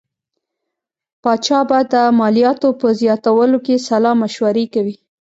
پاچا به د مالیاتو په زیاتولو کې سلا مشورې کوي.